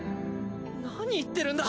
何言ってるんだ！？